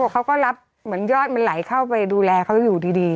เขาก็รับเหมือนยอดมันไหลเข้าไปดูแลเขาอยู่ดี